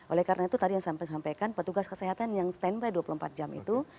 oleh karena itu tadi yang saya sampaikan petugas kesehatan yang stand by dua puluh empat jam itu